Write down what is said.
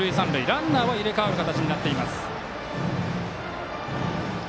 ランナーは入れ代わる形になっています。